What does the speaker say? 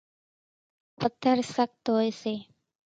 پٿر سخت ھوئي سي